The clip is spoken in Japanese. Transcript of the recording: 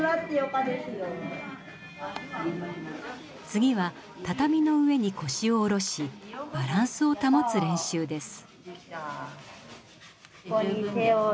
次は畳の上に腰を下ろしバランスを保つ練習です。